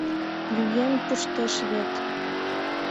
— Лӱен пуштеш вет!..